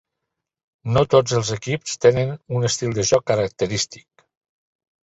No tots els equips tenen un estil de joc característic.